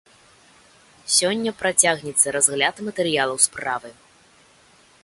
Сёння працягнецца разгляд матэрыялаў справы.